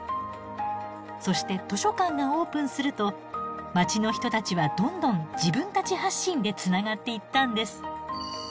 そして図書館がオープンすると街の人たちはどんどん自分たち発信でつながっていったんです。